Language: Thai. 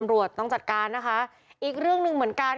ต้องจัดการนะคะอีกเรื่องหนึ่งเหมือนกัน